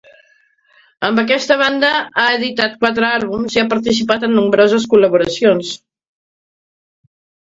Amb aquesta banda ha editat quatre àlbums i ha participat en nombroses col·laboracions.